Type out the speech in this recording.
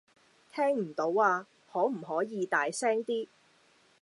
聽唔到呀，可唔可以大聲啲